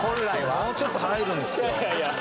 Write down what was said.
もうちょっと入るんですよ。